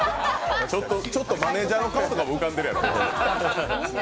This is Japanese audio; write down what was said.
ちょっとマネージャーの顔とかも浮かんでるやろ。